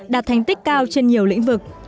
đạt thành tích cao trên nhiều lĩnh vực